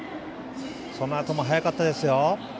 そのあとも速かったですよ。